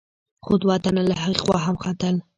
خو دوه تنه له هغې خوا هم ختل.